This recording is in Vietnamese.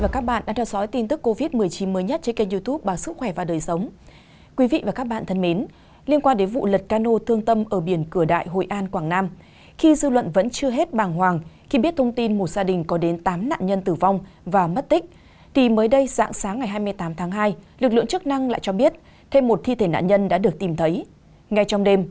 các bạn hãy đăng ký kênh để ủng hộ kênh của chúng mình nhé